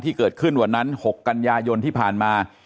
เกิดขึ้นวันนั้น๖กันยายนที่ผ่านมา